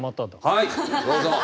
はいどうぞ。